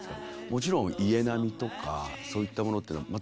もちろん家並みとかそういったものってのはへえ。